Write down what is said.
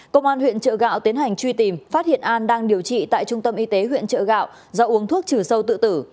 công an huyện trợ gạo tiến hành truy tìm phát hiện an đang điều trị tại trung tâm y tế huyện trợ gạo do uống thuốc trừ sâu tự tử